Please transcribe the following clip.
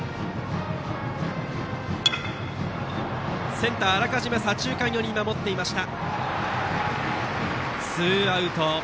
センター、あらかじめ左中間寄りに守っていました。